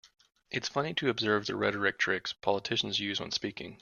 It's funny to observe the rhetoric tricks politicians use when speaking.